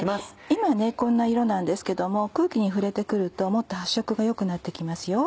今こんな色なんですけども空気に触れてくるともっと発色が良くなってきますよ。